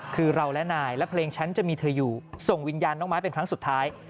คือเราและนายและเพลงฉันจะมีเธออยู่ส่งวิญญาณน้องไม้เป็นครั้งสุดท้าย